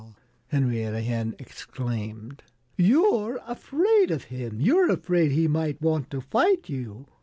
Henrietta Hen exclaimed. "You're afraid of him! You're afraid he might want to fight you.